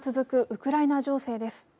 ウクライナ情勢です。